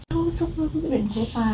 phương xúc với quyết định của tòa